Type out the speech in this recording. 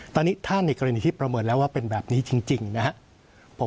ตอนนี้ถ้าในกรณีที่ประเมินแล้วว่าเป็นแบบนี้จริงนะครับ